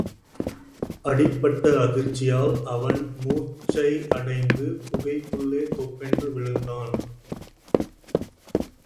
அடிபட்ட அதிர்ச்சியால் அவன் மூர்ச்சையடைந்து குகைக்குள்ளே தொப்பென்று விழுந்தான்.